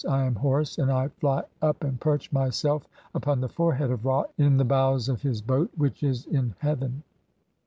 I am Horus and I fly up (4) "and perch myself upon the forehead of Ra in the bows of his "boat which is in heaven."